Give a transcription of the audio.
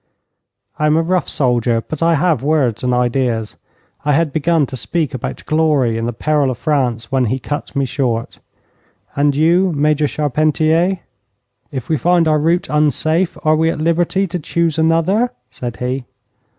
I am a rough soldier, but I have words and ideas. I had begun to speak about glory and the peril of France when he cut me short. 'And you, Major Charpentier?' 'If we find our route unsafe, are we at liberty to choose another?' said he.